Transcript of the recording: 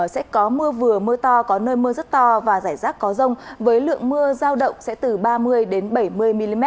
sẽ có mưa vừa mưa to có nơi mưa rất to và rải rác có rông với lượng mưa giao động sẽ từ ba mươi bảy mươi mm